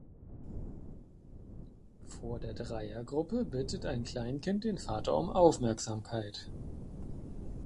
Vor der Dreiergruppe bittet ein Kleinkind den Vater um Aufmerksamkeit.